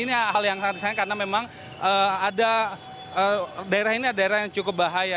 ini hal yang sangat disayangkan karena memang ada daerah ini daerah yang cukup bahaya